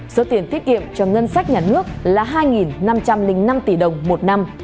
số tiền tiết kiệm cho ngân sách nhà nước là hai năm trăm linh năm tỷ đồng một năm